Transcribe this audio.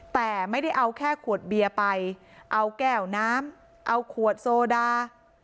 แต่ไม่ได้เอาแค่ขวดเบียร์ไปเอาแก้วน้ำเอาขวดโซดา